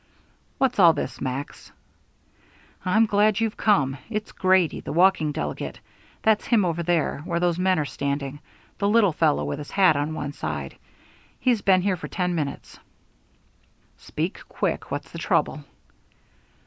"What's all this, Max?" "I'm glad you've come. It's Grady, the walking delegate that's him over there where those men are standing, the little fellow with his hat on one side he's been here for ten minutes." "Speak quick. What's the trouble?"